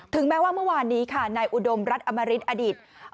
แม้ว่าเมื่อวานนี้ค่ะนายอุดมรัฐอมริตอดิต